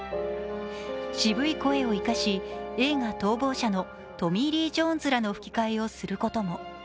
渋い声を生かし映画「逃亡者」のトミー・リー・ジョーンズの吹き替えもすることも。